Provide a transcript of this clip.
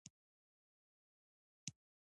تنور د نانونو جوړېدو هنر ښيي